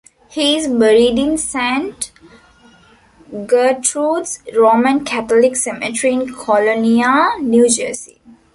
He is buried in Saint Gertrude's Roman Catholic Cemetery in Colonia, New Jersey.